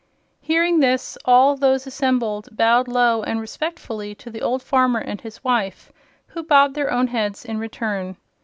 Hearing this, all those assembled bowed low and respectfully to the old farmer and his wife, who bobbed their own heads in return.